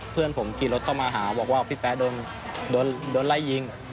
เพื่อนผมขี่รถเข้ามาหาบอกว่าพี่แป๊โดนไล่ยิง